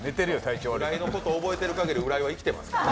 浦井のことを覚えている限り浦井は生きてますから。